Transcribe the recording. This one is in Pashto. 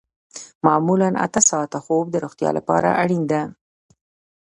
معمولاً اته ساعته خوب د روغتیا لپاره اړین دی